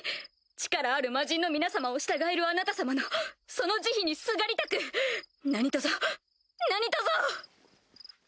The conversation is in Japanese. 力ある魔人の皆様を従えるあなた様のその慈悲にすがりたく何とぞ何とぞ！